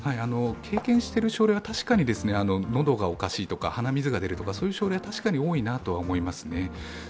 経験している症例は確かに喉がおかしいとか、鼻水が出るとか、そういう症例は、確かに多いなとは思いますね。